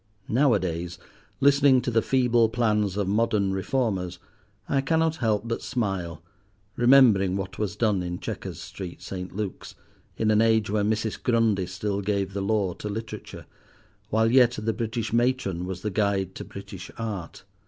Now a days, listening to the feeble plans of modern reformers, I cannot help but smile, remembering what was done in Chequers Street, St. Luke's, in an age when Mrs. Grundy still gave the law to literature, while yet the British matron was the guide to British art.